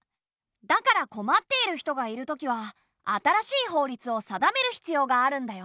だから困っている人がいるときは新しい法律を定める必要があるんだよ。